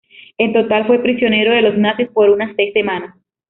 En total, fue prisionero de los nazis por unas seis semanas.